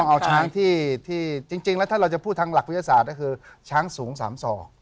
เอาช้างที่จริงแล้วถ้าเราจะพูดทางหลักวิทยาศาสตร์ก็คือช้างสูง๓ศอก